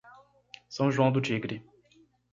São João do Tigre